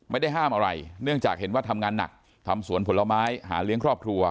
ไม่ได้ห้ามอะไรเนื่องจากเห็นว่าทำงานหนักทำสวนผลไม้หาเลี้ยงครอบครัว